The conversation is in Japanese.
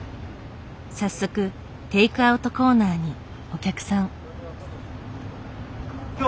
早速テイクアウトコーナーにお客さん。